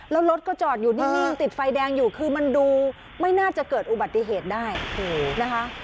แล้วรถก็จอดอยู่นิ่งติดไฟแดงอยู่คือมันดูไม่น่าจะเกิดอุบัติเหตุได้นะคะ